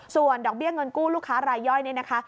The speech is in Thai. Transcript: ส่วนดอกเบี้ยเงินกู้ลูกค้ารายย่อยนี่นะคะ